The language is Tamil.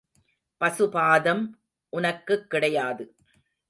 பசுபாதம் உனக்குக் கிடையாது.